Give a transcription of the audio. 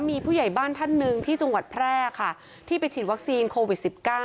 มีผู้ใหญ่บ้านท่านหนึ่งที่จังหวัดแพร่ค่ะที่ไปฉีดวัคซีนโควิด๑๙